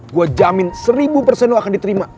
gue jamin seribu persen lo akan diterima